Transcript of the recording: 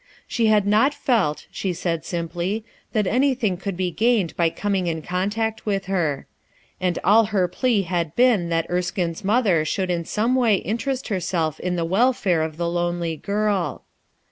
She had not felt, she said simply, that anything could be gained by coming in contact with her. And all her plea had been that Erskine's mother should in some way interest herself in tho wel fare of the lonely girl.